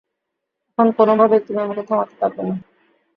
এখন কোনোভাবেই তুমি আমাকে থামাতে পারবে না।